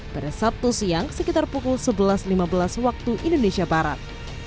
pada sabtu siang sekitar pukul sebelas lima belas waktu indonesia barat